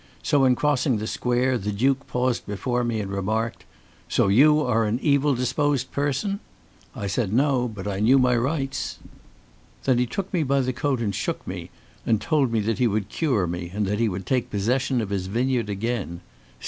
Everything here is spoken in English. So, in crossing the square, the duke paused before me and remarked: 'So you are an evil disposed person?' I said no, but that I knew my rights. Then he took me by the coat and shook me, and told me that he would cure me, and that he would take possession of his vineyard again.